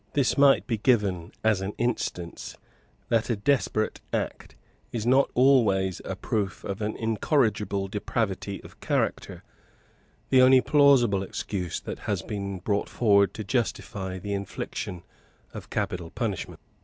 This might be given as an instance, that a desperate act is not always a proof of an incorrigible depravity of character, the only plausible excuse that has been brought forward to justify the infliction of capital punishments.